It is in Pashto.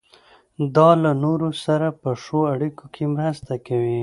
دا له نورو سره په ښو اړیکو کې مرسته کوي.